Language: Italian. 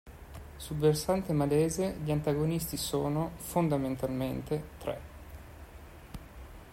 Sul versante malese, gli antagonisti sono, fondamentalmente, tre.